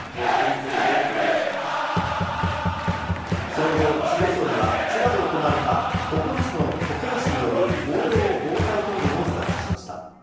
その後、岸田総理は千葉で行われた９つの都県市による合同防災訓練を視察しました。